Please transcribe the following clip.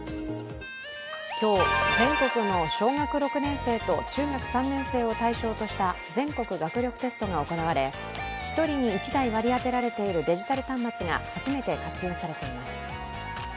今日、全国の小学６年生と中学３年生を対象とした全国学力テストが行われ１人に１台割り当てられているデジタル端末が初めて活用されています。